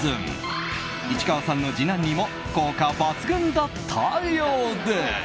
市川さんの次男にも効果抜群だったようです。